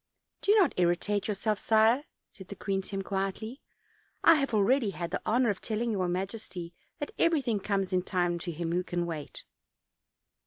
"Do not irritate yourself, sire," said the queen to him quietly; "I have already had the honor of telling your majesty that everything comes in time to him who can wait."